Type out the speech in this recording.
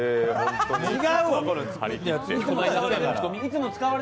違うわ！